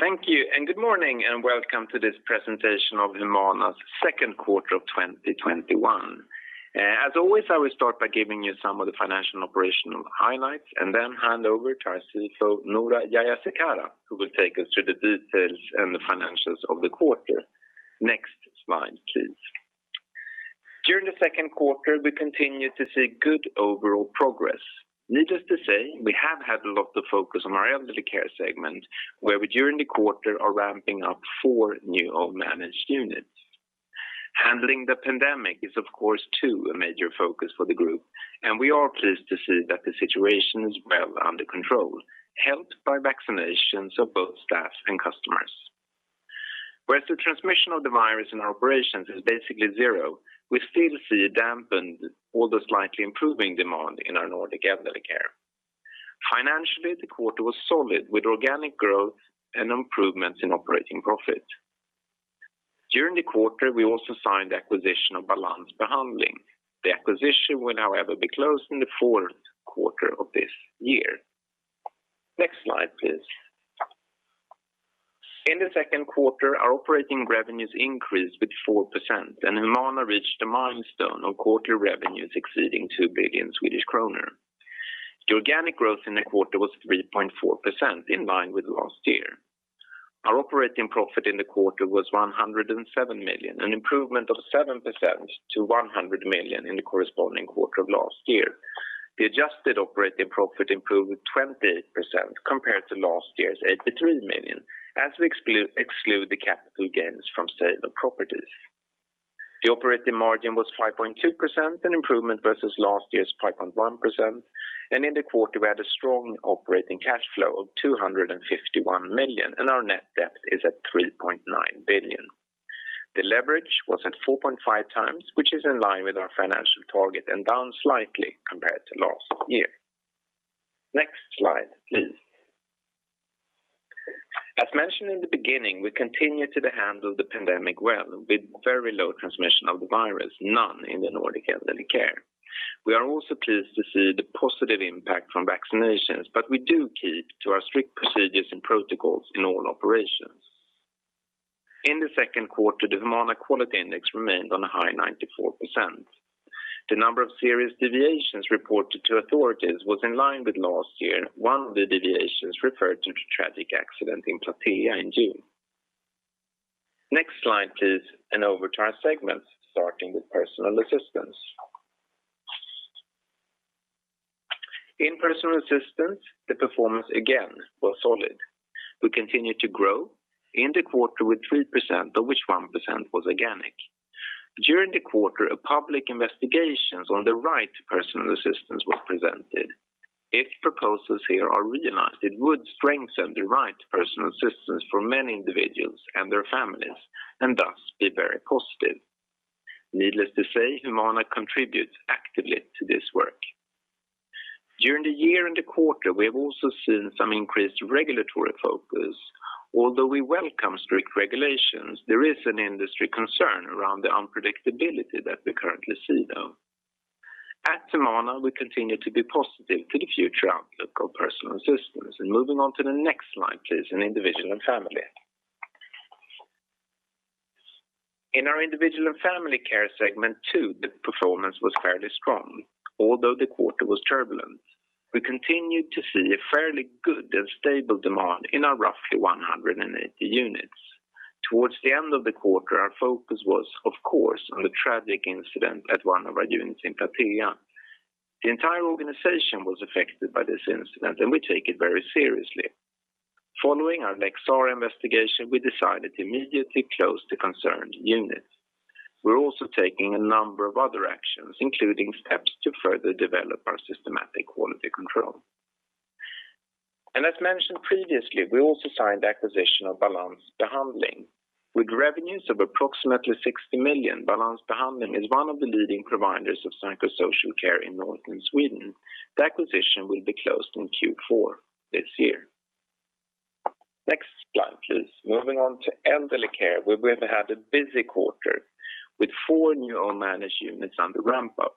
Yes, thank you, good morning, and welcome to this presentation of Humana's Q2 2021. As always, I will start by giving you some of the financial and operational highlights, and then hand over to our CFO, Noora Jayasekara, who will take us through the details and the financials of the quarter. Next slide, please. During the Q2, we continued to see good overall progress. Needless to say, we have had a lot of focus on our elderly care segment, where we, during the Q2, are ramping up four new own managed units. Handling the pandemic is, of course, too a major focus for the group, and we are pleased to see that the situation is well under control, helped by vaccinations of both staff and customers. Whereas the transmission of the virus in our operations is basically zero, we still see a dampened, although slightly improving demand in our Nordic elderly care. Financially, the quarter was solid with organic growth and improvements in operating profit. During the quarter, we also signed the acquisition of Balans Behandling. The acquisition will however be closed in the fourth quarter of this year. Next slide, please. In the second quarter, our operating revenues increased by 4%, and Humana reached a milestone of quarter revenues exceeding 2 billion Swedish kronor. The organic growth in the quarter was 3.4%, in line with last year. Our operating profit in the quarter was 107 million, an improvement of 7% to 100 million in the corresponding quarter of last year. The adjusted operating profit improved 28% compared to last year's 83 million, as we exclude the capital gains from sale of properties. The operating margin was 5.2%, an improvement versus last year's 5.1%, and in the quarter we had a strong operating cash flow of 251 million, and our net debt is at 3.9 billion. The leverage was at 4.5x, which is in line with our financial target and down slightly compared to last year. Next slide, please. As mentioned in the beginning, we continue to handle the pandemic well, with very low transmission of the virus, none in the Nordic elderly care. We are also pleased to see the positive impact from vaccinations, but we do keep to our strict procedures and protocols in all operations. In the second quarter, the Humana quality index remained on a high 94%. The number of serious deviations reported to authorities was in line with last year. One of the deviations referred to the tragic accident in Platea in June. Over to our segments, starting with personal assistance. In personal assistance, the performance again was solid. We continued to grow in the quarter with 3%, of which 1% was organic. During the quarter, a public investigation on the right personal assistance was presented. If proposals here are realized, it would strengthen the right personal assistance for many individuals and their families and thus be very positive. Needless to say, Humana contributes actively to this work. During the year and the quarter, we have also seen some increased regulatory focus. Although we welcome strict regulations, there is an industry concern around the unpredictability that we currently see, though. At Humana, we continue to be positive to the future outlook of personal assistance. Moving on to the next slide, please, in individual and family. In our individual and family care segment too, the performance was fairly strong, although the quarter was turbulent. We continued to see a fairly good and stable demand in our roughly 180 units. Towards the end of the quarter, our focus was, of course, on the tragic incident at one of our units in Platea. The entire organization was affected by this incident, and we take it very seriously. Following our Lex Sarah investigation, we decided to immediately close the concerned unit. We're also taking a number of other actions, including steps to further develop our systematic quality control. As mentioned previously, we also signed the acquisition of Balans Behandling. With revenues of approximately 60 million, Balans Behandling is one of the leading providers of psychosocial care in northern Sweden. The acquisition will be closed in Q4 this year. Next slide, please. Moving on to elderly care, where we have had a busy quarter with four new own managed units under ramp-up.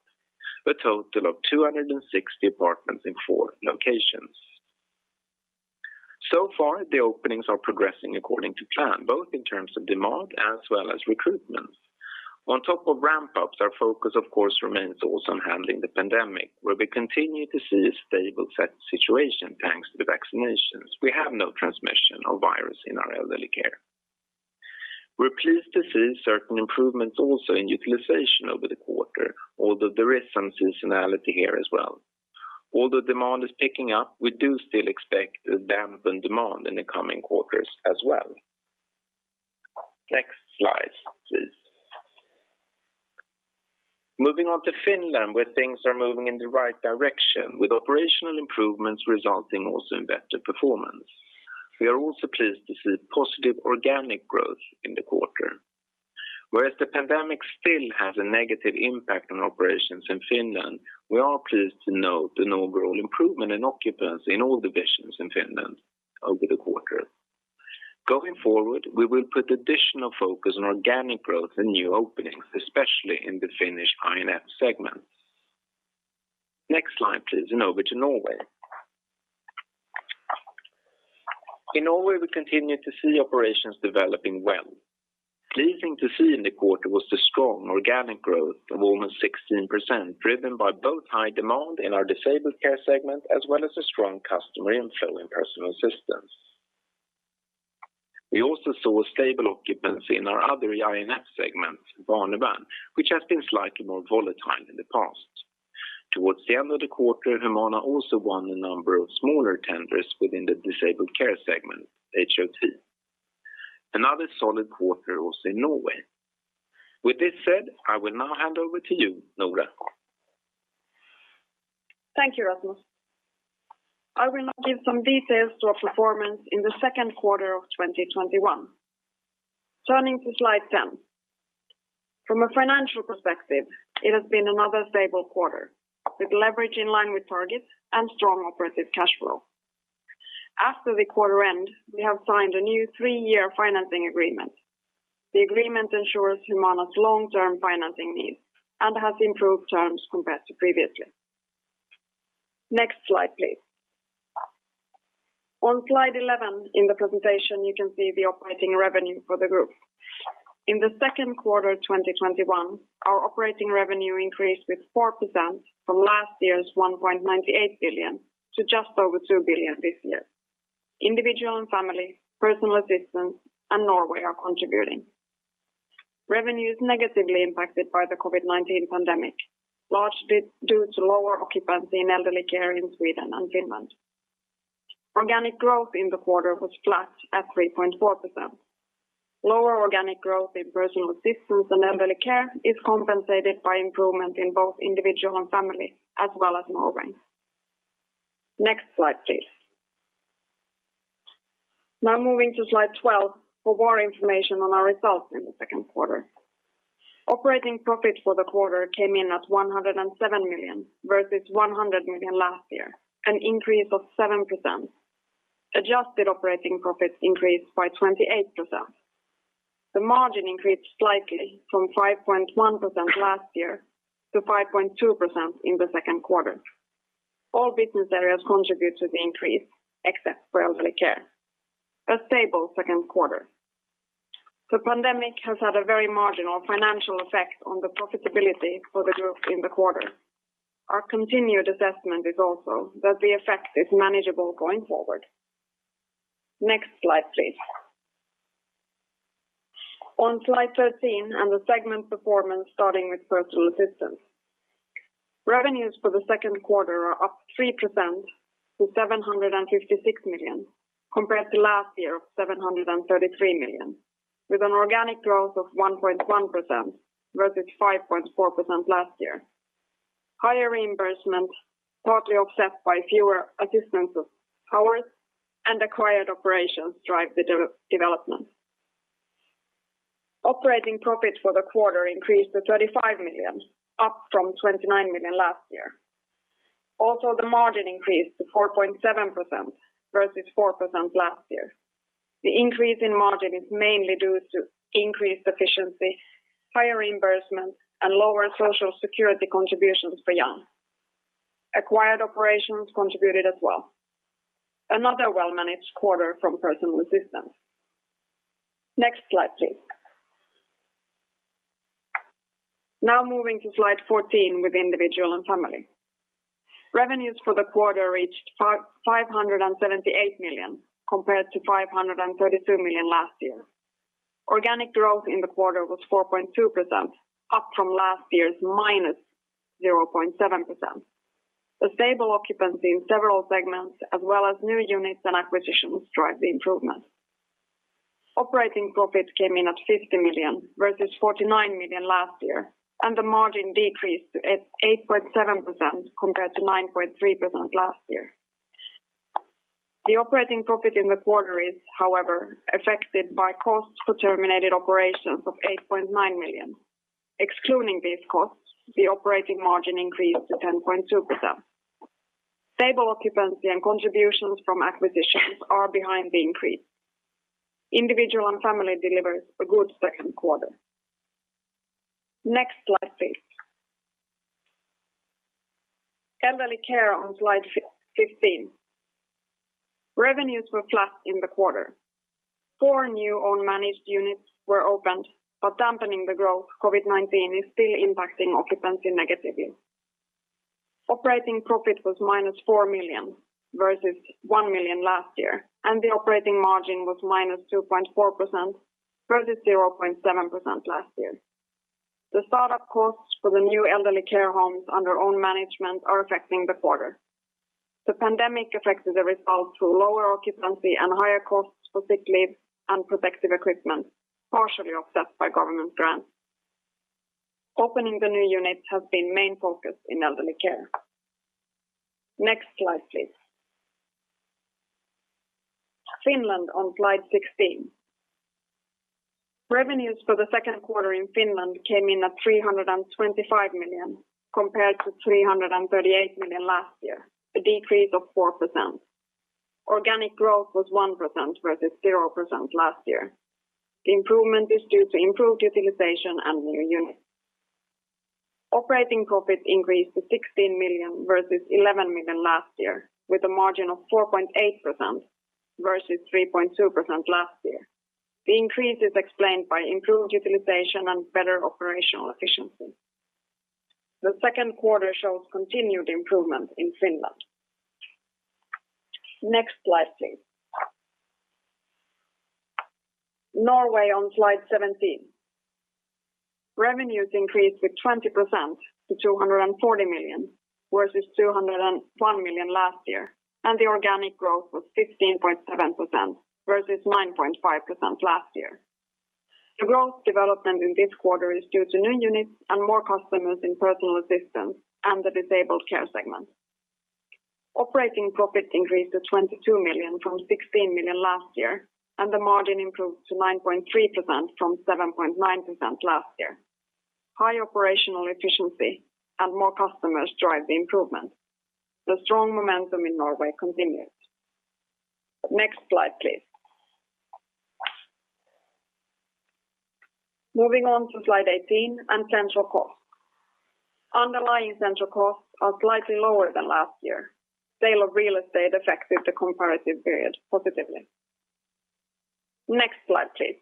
A total of 260 apartments in four locations. So far, the openings are progressing according to plan, both in terms of demand as well as recruitment. On top of ramp-ups, our focus of course remains also on handling the pandemic, where we continue to see a stable situation thanks to the vaccinations. We have no transmission of virus in our elderly care. We're pleased to see certain improvements also in utilization over the quarter, although there is some seasonality here as well. Although demand is picking up, we do still expect a dampened demand in the coming quarters as well. Next slide, please. Moving on to Finland, where things are moving in the right direction, with operational improvements resulting also in better performance. We are also pleased to see positive organic growth in the quarter. Whereas the pandemic still has a negative impact on operations in Finland, we are pleased to note an overall improvement in occupancy in all divisions in Finland over the quarter. Going forward, we will put additional focus on organic growth and new openings, especially in the Finnish I&F segment. Next slide, please. Over to Norway. In Norway, we continue to see operations developing well. Pleasing to see in the quarter was the strong organic growth of almost 16%, driven by both high demand in our disabled care segment, as well as a strong customer inflow in personal assistance. We also saw a stable occupancy in our other I&F segment, Barnevernet, which has been slightly more volatile in the past. Towards the end of the quarter, Humana also won a number of smaller tenders within the disabled care segment, HOT. Another solid quarter also in Norway. With this said, I will now hand over to you, Noora. Thank you, Rasmus. I will now give some details to our performance in the second quarter of 2021. Turning to slide 10. From a financial perspective, it has been another stable quarter, with leverage in line with targets and strong operative cash flow. After the quarter end, we have signed a new three-year financing agreement. The agreement ensures Humana's long-term financing needs and has improved terms compared to previously. Next slide, please. On slide 11 in the presentation, you can see the operating revenue for the group. In the second quarter 2021, our operating revenue increased with 4% from last year's 1.98 billion to just over 2 billion this year. Individual and Family, Personal Assistance, and Norway are contributing. Revenue is negatively impacted by the COVID-19 pandemic, largely due to lower occupancy in elderly care in Sweden and Finland. Organic growth in the quarter was flat at 3.4%. Lower organic growth in Personal Assistance and Elderly Care is compensated by improvement in both Individual and Family, as well as Norway. Next slide, please. Now moving to slide 12 for more information on our results in the second quarter. Operating profit for the quarter came in at 107 million, versus 100 million last year, an increase of 7%. Adjusted operating profits increased by 28%. The margin increased slightly from 5.1% last year to 5.2% in the second quarter. All business areas contribute to the increase except for Elderly Care. A stable second quarter. The pandemic has had a very marginal financial effect on the profitability for the group in the quarter. Our continued assessment is also that the effect is manageable going forward. Next slide, please. On slide 13 and the segment performance, starting with Personal Assistance. Revenues for the second quarter are up 3% to 756 million, compared to last year of 733 million, with an organic growth of 1.1% versus 5.4% last year. Higher reimbursements, partly offset by fewer assistance hours and acquired operations drive the development. Operating profit for the quarter increased to 35 million, up from 29 million last year. Also, the margin increased to 4.7% versus 4% last year. The increase in margin is mainly due to increased efficiency, higher reimbursements, and lower Social Security contributions for Jan. Acquired operations contributed as well. Another well-managed quarter from Personal Assistance. Next slide, please. Now moving to slide 14 with Individual and Family. Revenues for the quarter reached 578 million compared to 532 million last year. Organic growth in the quarter was 4.2%, up from last year's -0.7%. A stable occupancy in several segments as well as new units and acquisitions drive the improvement. Operating profit came in at 50 million, versus 49 million last year, and the margin decreased to 8.7% compared to 9.3% last year. The operating profit in the quarter is, however, affected by costs for terminated operations of 8.9 million. Excluding these costs, the operating margin increased to 10.2%. Stable occupancy and contributions from acquisitions are behind the increase. Individual and Family delivers a good second quarter. Next slide, please. Elderly Care on slide 15. Revenues were flat in the quarter. Four new own managed units were opened, but dampening the growth, COVID-19 is still impacting occupancy negatively. Operating profit was -4 million, versus 1 million last year, and the operating margin was -2.4%, versus 0.7% last year. The start-up costs for the new Elderly Care homes under own management are affecting the quarter. The pandemic affected the results through lower occupancy and higher costs for sick leave and protective equipment, partially offset by government grants. Opening the new units has been main focus in Elderly Care. Next slide, please. Finland on slide 16. Revenues for the second quarter in Finland came in at 325 million compared to 338 million last year, a decrease of 4%. Organic growth was 1% versus 0% last year. The improvement is due to improved utilization and new units. Operating profit increased to 16 million versus 11 million last year, with a margin of 4.8% versus 3.2% last year. The increase is explained by improved utilization and better operational efficiency. The second quarter shows continued improvement in Finland. Next slide, please. Norway on slide 17. Revenues increased with 20% to 240 million versus 201 million last year. The organic growth was 15.7% versus 9.5% last year. The growth development in this quarter is due to new units and more customers in personal assistance and the disabled care segment. Operating profit increased to 22 million from 16 million last year. The margin improved to 9.3% from 7.9% last year. High operational efficiency and more customers drive the improvement. The strong momentum in Norway continues. Next slide, please. Moving on to slide 18 and central cost. Underlying central costs are slightly lower than last year. Sale of real estate affected the comparative period positively. Next slide, please.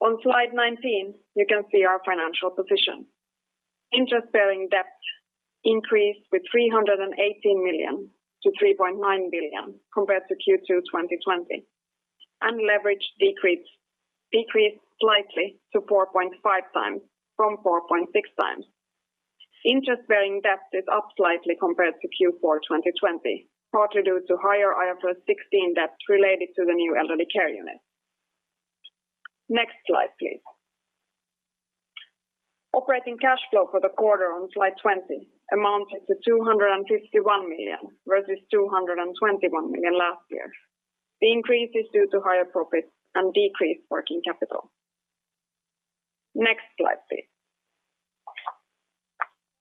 On slide 19, you can see our financial position. Interest-bearing debt increased with 318 million-3.9 billion compared to Q2 2020. Leverage decreased slightly to 4.5x from 4.6x. Interest-bearing debt is up slightly compared to Q4 2020, partly due to higher IFRS 16 debt related to the new elderly care unit. Next slide, please. Operating cash flow for the quarter on slide 20 amounted to 251 million, versus 221 million last year. The increase is due to higher profits and decreased working capital. Next slide, please.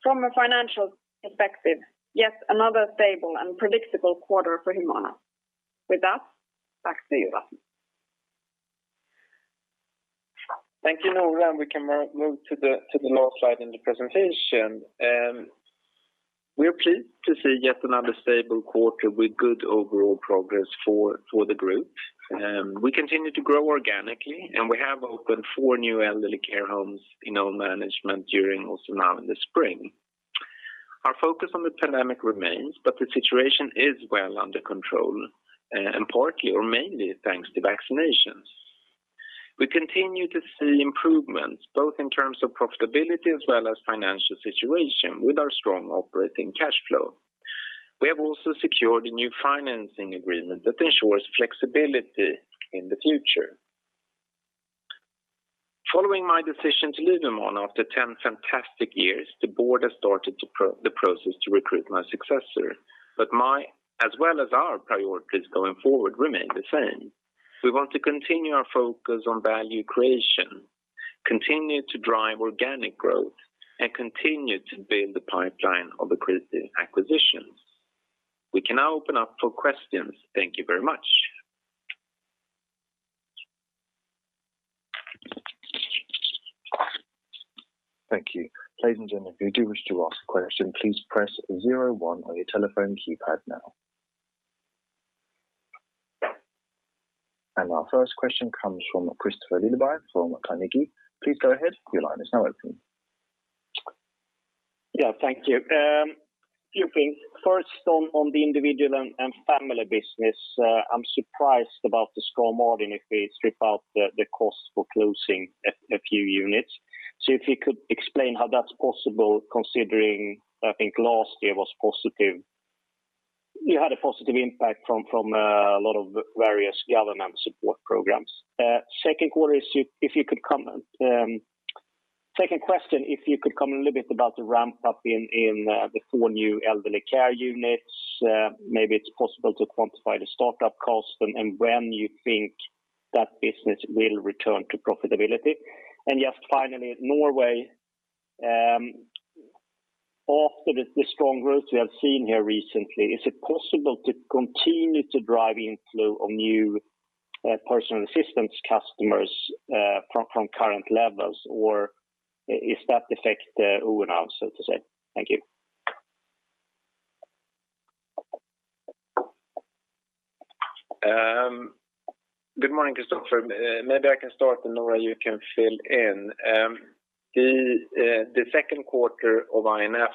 From a financial perspective, yet another stable and predictable quarter for Humana. With that, back to you, Rasmus. Thank you, Noora. We can move to the last slide in the presentation. We are pleased to see yet another stable quarter with good overall progress for the group. We continue to grow organically, and we have opened four new elderly care homes in our management during also now in the spring. Our focus on the pandemic remains, but the situation is well under control, and partly or mainly thanks to vaccinations. We continue to see improvements both in terms of profitability as well as financial situation with our strong operating cash flow. We have also secured a new financing agreement that ensures flexibility in the future. Following my decision to leave Humana after 10 fantastic years, the board has started the process to recruit my successor. My, as well as our priorities going forward remain the same. We want to continue our focus on value creation, continue to drive organic growth, and continue to build the pipeline of acquisitions. We can now open up for questions. Thank you very much. Thank you. Ladies and gentlemen if you do wish to ask a question, please press zero one on your telephone keypad now. Our first question comes from Kristofer Liljeberg from Carnegie. Please go ahead. Yeah, thank you. A few things. First on the individual and family business. I'm surprised about the strong margin if we strip out the cost for closing a few units. If you could explain how that's possible, considering I think last year you had a positive impact from a lot of various government support programs. Second question, if you could comment a little bit about the ramp-up in the four new elderly care units. Maybe it's possible to quantify the startup cost and when you think that business will return to profitability. Just finally, Norway. After the strong growth we have seen here recently, is it possible to continue to drive inflow of new personal assistance customers from current levels? Is that effect over now, so to say? Thank you. Good morning, Kristofer. Maybe I can start, Noora, you can fill in. The second quarter of I&F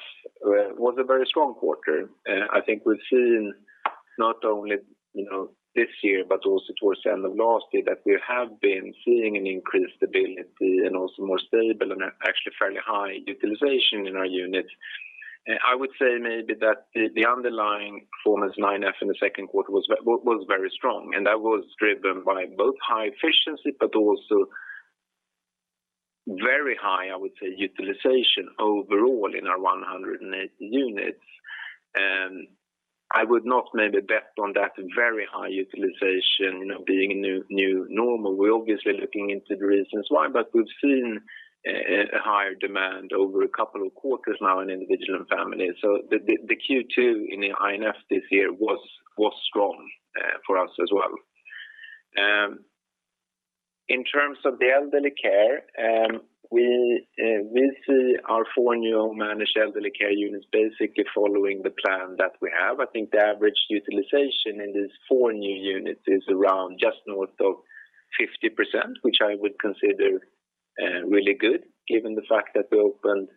was a very strong quarter. I think we've seen not only this year, but also towards the end of last year, that we have been seeing an increased ability and also more stable and actually fairly high utilization in our units. I would say maybe that the underlying performance of I&F in the second quarter was very strong. That was driven by both high efficiency but also very high, I would say, utilization overall in our 180 units. I would not maybe bet on that very high utilization being a new normal. We're obviously looking into the reasons why. We've seen a higher demand over a couple of quarters now in individual and family. The Q2 in I&F this year was strong for us as well. In terms of the elderly care, we see our four new managed elderly care units basically following the plan that we have. I think the average utilization in these four new units is around just north of 50%, which I would consider really good given the fact that we opened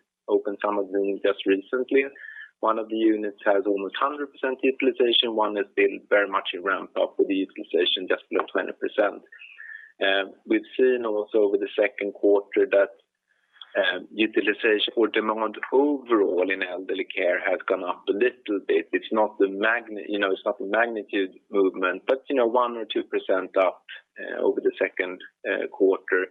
some of them just recently. One of the units has almost 100% utilization. One is still very much a ramp-up with the utilization just below 20%. We've seen also over the second quarter that utilization or demand overall in elderly care has gone up a little bit. It's not the magnitude movement, but 1% or 2% up over the second quarter.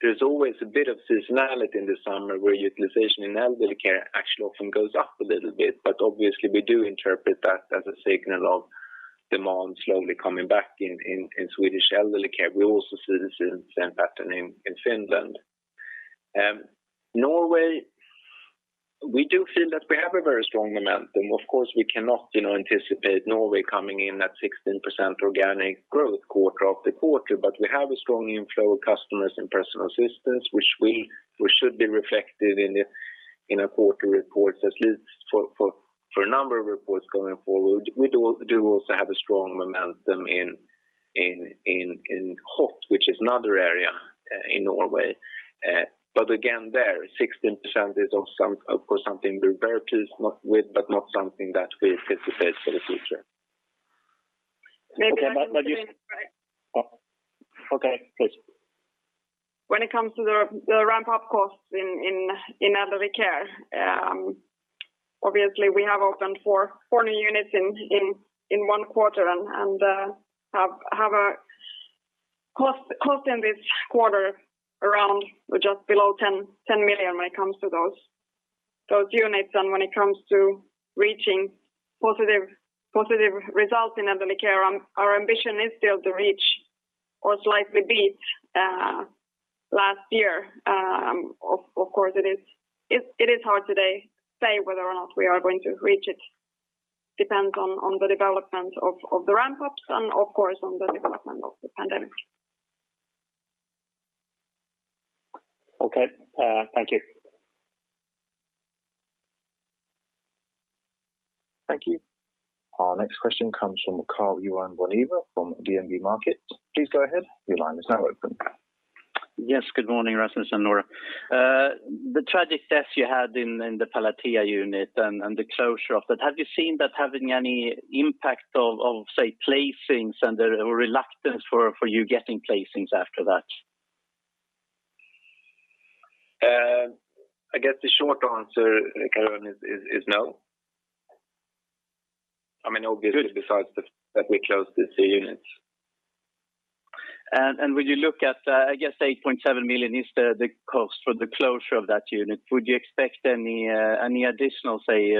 There's always a bit of seasonality in the summer where utilization in elderly care actually often goes up a little bit. Obviously we do interpret that as a signal of demand slowly coming back in Swedish elderly care. We also see the same pattern in Finland. Norway, we do feel that we have a very strong momentum. Of course, we cannot anticipate Norway coming in at 16% organic growth quarter after quarter. We have a strong inflow of customers and personal assistance, which should be reflected in our quarter reports at least for a number of reports going forward. We do also have a strong momentum in HOT, which is another area in Norway. Again, there, 16% is of course something we're very pleased with, but not something that we anticipate for the future. Maybe I can- Okay, please. When it comes to the ramp-up costs in elderly care, obviously we have opened four new units in one quarter and have a cost in this quarter around just below 10 million when it comes to those units. When it comes to reaching positive results in elderly care, our ambition is still to reach or slightly beat last year. Of course it is hard today to say whether or not we are going to reach it. It depends on the development of the ramp-ups and of course on the development of the pandemic. Okay. Thank you. Thank you. Our next question comes from Karl Johan Bonnevier from DNB Markets. Please go ahead. Your line is now open. Good morning, Rasmus and Noora. The tragic death you had in the Platea unit and the closure of that, have you seen that having any impact of, say, placings and a reluctance for you getting placings after that? I guess the short answer, Karl, is no. Obviously besides that we closed the two units. When you look at, I guess 8.7 million is the cost for the closure of that unit. Would you expect any additional, say,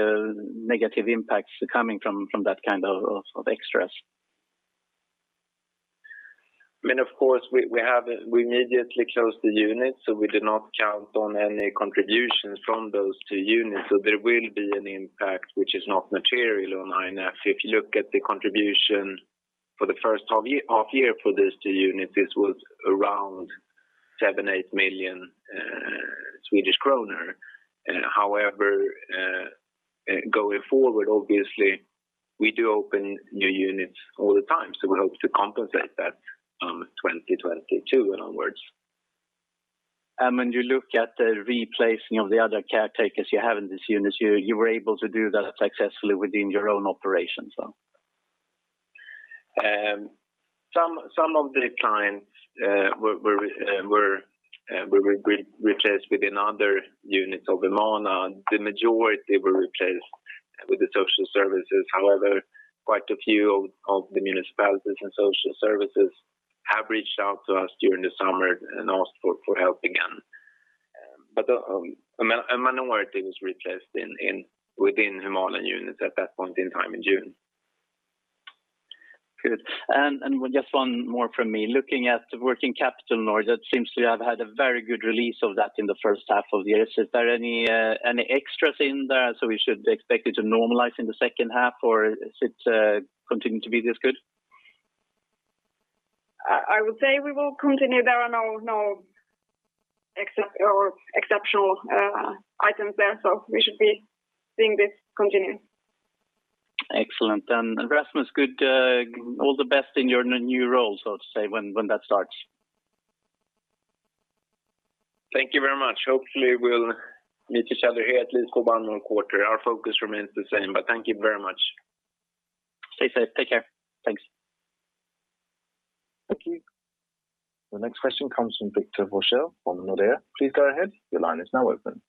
negative impacts coming from that kind of extras? Of course, we immediately closed the unit, we did not count on any contributions from those two units. There will be an impact which is not material on I&F. If you look at the contribution for the first half year for these two units, this was around 7 million-8 million Swedish kronor. However, going forward, obviously, we do open new units all the time, we hope to compensate that 2022 onwards. When you look at the replacing of the other caretakers you have in this unit, you were able to do that successfully within your own operations? Some of the clients were replaced within other units of Humana. The majority were replaced with the social services. However, quite a few of the municipalities and social services have reached out to us during the summer and asked for help again. A minority was replaced within Humana units at that point in time in June. Good. Just one more from me. Looking at working capital, Noora, it seems to have had a very good release of that in the first half of the year. Is there any extras in there, so we should expect it to normalize in the second half, or is it continuing to be this good? I would say we will continue. There are no exceptional items there, so we should be seeing this continue. Excellent. Rasmus, all the best in your new role, so to say, when that starts. Thank you very much. Hopefully we'll meet each other here at least for one more quarter. Our focus remains the same, but thank you very much. Stay safe. Take care. Thanks. Thank you. The next question comes from Victor Forssell from Nordea. Please go ahead. Your line is now open.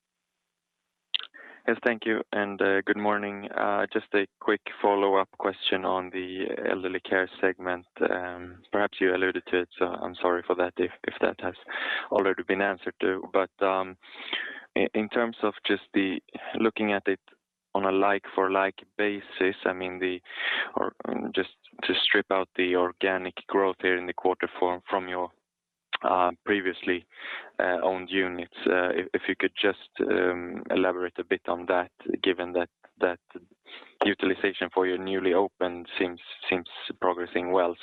Yes. Thank you, and good morning. Just a quick follow-up question on the elderly care segment. Perhaps you alluded to it, so I'm sorry for that if that has already been answered too. In terms of just looking at it on a like-for-like basis, just to strip out the organic growth here in the quarter from your previously. Units, if you could just elaborate a bit on that, given that utilization for your newly opened seems progressing well.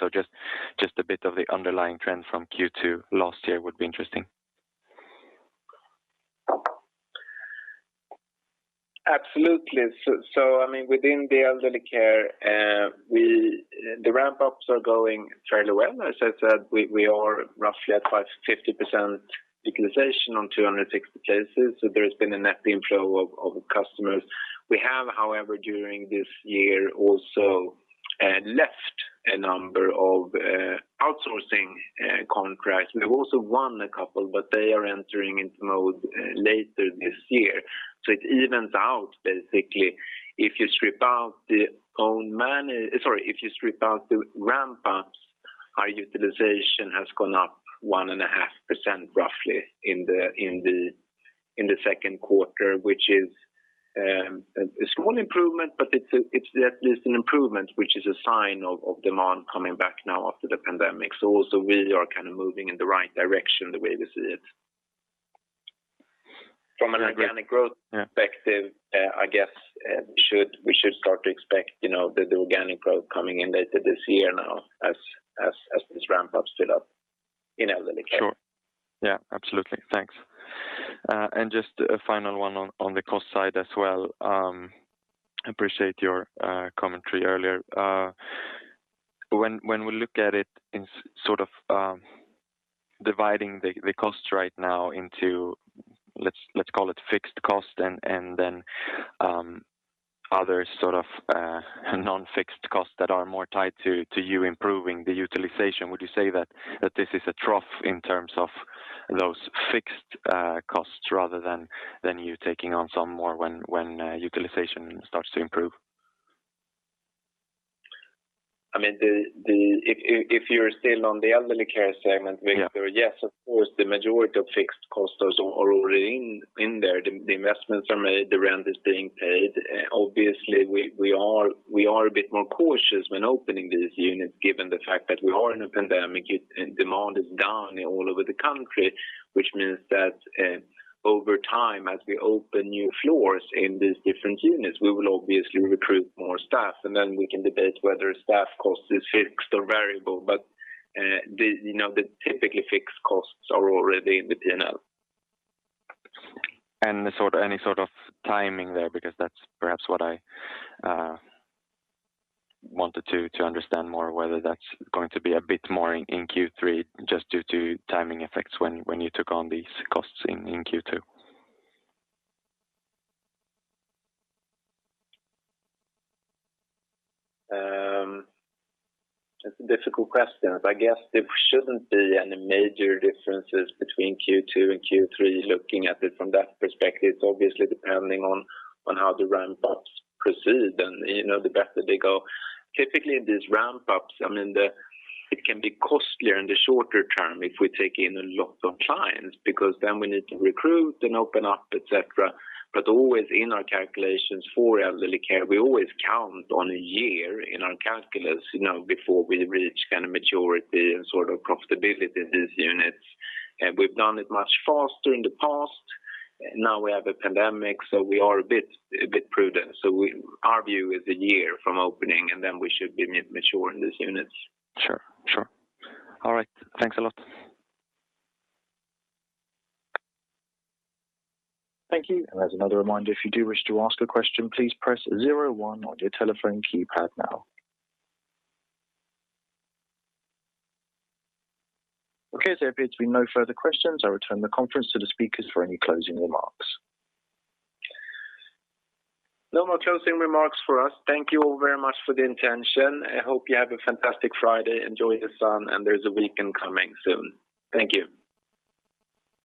Just a bit of the underlying trend from Q2 last year would be interesting. Absolutely. Within the elderly care, the ramp-ups are going fairly well. As I said, we are roughly at 50% utilization on 260 cases. There's been a net inflow of customers. We have, however, during this year also left a number of outsourcing contracts. We have also won a couple. They are entering into mode later this year. It evens out basically. If you strip out the ramp-ups, our utilization has gone up 1.5% roughly in the second quarter, which is a small improvement. It's at least an improvement, which is a sign of demand coming back now after the pandemic. Also we are kind of moving in the right direction the way we see it. From an organic growth perspective, I guess, we should start to expect the organic growth coming in later this year now as this ramp-ups fit up in elderly care. Sure. Yeah, absolutely. Thanks. Just a final 1 on the cost side as well. Appreciate your commentary earlier. When we look at it in sort of dividing the costs right now into, let's call it fixed cost and then other sort of non-fixed costs that are more tied to you improving the utilization, would you say that this is a trough in terms of those fixed costs rather than you taking on some more when utilization starts to improve? If you're still on the elderly care segment, Victor- Yeah. Yes, of course, the majority of fixed costs are already in there. The investments are made, the rent is being paid. Obviously, we are a bit more cautious when opening these units, given the fact that we are in a pandemic and demand is down all over the country. Which means that over time, as we open new floors in these different units, we will obviously recruit more staff, and then we can debate whether staff cost is fixed or variable. The typically fixed costs are already within us. Any sort of timing there, because that's perhaps what I wanted to understand more, whether that's going to be a bit more in Q3 just due to timing effects when you took on these costs in Q2. That's a difficult question. I guess there shouldn't be any major differences between Q2 and Q3, looking at it from that perspective. Depending on how the ramp-ups proceed and the better they go. Typically, these ramp-ups, it can be costlier in the shorter term if we take in a lot of clients because then we need to recruit and open up, et cetera. Always in our calculations for elderly care, we always count on a year in our calculation before we reach kind of maturity and sort of profitability in these units. We've done it much faster in the past. Now we have a pandemic, we are a bit prudent. Our view is a year from opening, and then we should be mature in these units. Sure. All right. Thanks a lot. Thank you. As another reminder, if you do wish to ask a question, please press zero one on your telephone keypad now. Okay, there appears to be no further questions. I return the conference to the speakers for any closing remarks. No more closing remarks for us. Thank you all very much for the attention. I hope you have a fantastic Friday. Enjoy the sun and there's a weekend coming soon. Thank you.